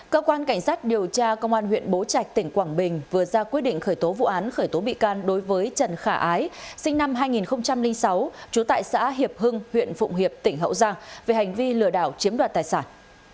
cơ quan cảnh sát điều tra công an huyện bố trạch tỉnh quảng bình vừa ra quyết định khởi tố vụ án khởi tố bị can đối với trần khả ái sinh năm hai nghìn sáu trú tại xã hiệp hưng huyện phụng hiệp tỉnh hậu giang về hành vi lừa đảo chiếm đoạt tài sản